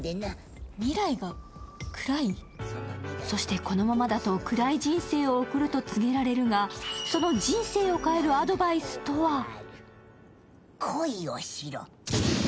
そしてこのままだと暗い人生を送ると告げられるがその人生を変えるアドバイスとは？